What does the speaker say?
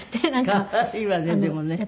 可愛いわねでもね。